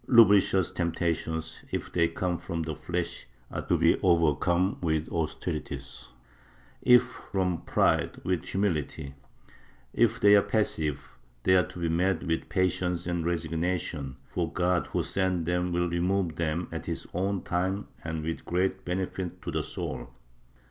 Lubricious temptations, if they come from the flesh are to be overcome with austerities; if from pride, with humility; if they are passive, they are to be met with patience and resignation, for God who sends them will remove them at his own time and with great benefit to the soul.